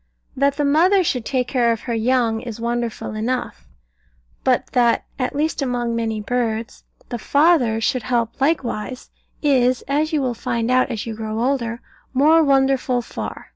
That the mother should take care of her young, is wonderful enough; but that (at least among many birds) the father should help likewise, is (as you will find out as you grow older) more wonderful far.